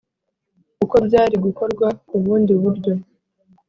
uko byari gukorwa ku bundi buryo